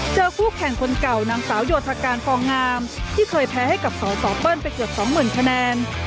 คู่แข่งคนเก่านางสาวโยธการฟองงามที่เคยแพ้ให้กับสสเปิ้ลไปเกือบสองหมื่นคะแนน